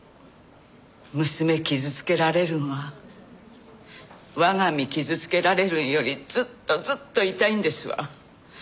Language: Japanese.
娘傷つけられるんは我が身傷つけられるんよりずっとずっと痛いんですわ。